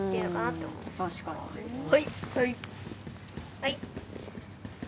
はい！